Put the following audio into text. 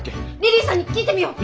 リリィさんに聞いてみよう！